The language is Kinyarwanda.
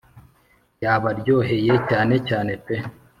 yabaryoheye cyane cyane pe